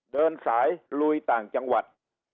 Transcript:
เดินสายลุยต่างจังหวัด